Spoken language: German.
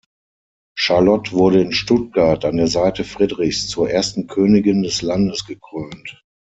Charlotte wurde in Stuttgart an der Seite Friedrichs zur ersten Königin des Landes gekrönt.